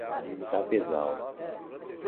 Sapezal